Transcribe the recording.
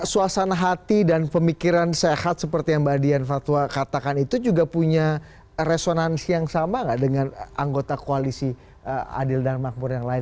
suasana hati dan pemikiran sehat seperti yang mbak dian fatwa katakan itu juga punya resonansi yang sama nggak dengan anggota koalisi adil dan makmur yang lain